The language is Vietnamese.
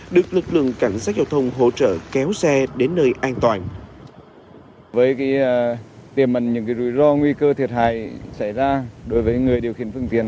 được lực lượng cảnh sát giao thông hỗ trợ kéo xe đến nơi an toàn